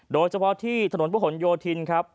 โดยเฉพาะที่ถนนพระหลโยธินครับ